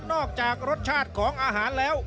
ออกจากรสชาติของอาหารแล้ว